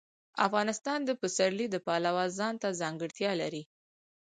افغانستان د پسرلی د پلوه ځانته ځانګړتیا لري.